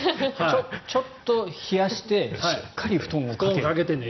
ちょっと冷やしてしっかり布団をかける。